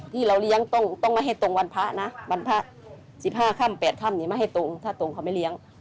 ที่เราเลี้ยงต้องไม่ให้ตรงวันพระนะวันพระ๑๕ค่ำ๘ค่ำนี้ไม่ให้ตรงถ้าตรงเขาไม่เลี้ยง